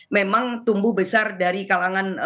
ketua besar dari kalangan